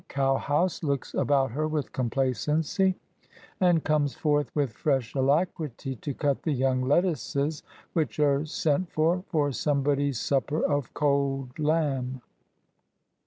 cow house, looks about her with complacency, and comes forth with fresh alacrity to cut the young lettuces which are sent for, for somebody's supper of cold lamb.